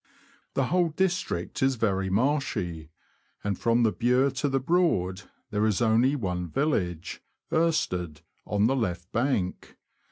The whole district is very marshy, and from the Bure to the Broad there is only one village — Irstead, on the left bank.